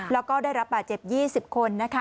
แล้วก็ได้รับบาดเจ็บ๒๐คน